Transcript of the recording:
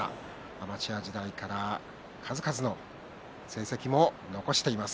アマチュア時代から数々の成績も残しています。